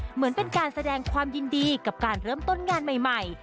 เหมือนเป็นการแสดงความยินดีกับการเริ่มต้นงานใหม่